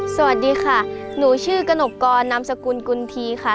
สวัสดีค่ะหนูชื่อกระหนกกรนามสกุลกุลทีค่ะ